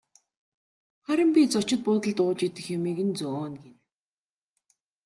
Харин би зочдод ууж идэх юмыг нь зөөнө гэнэ.